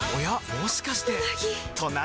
もしかしてうなぎ！